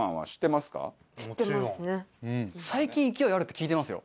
中丸：最近、勢いあるって聞いてますよ。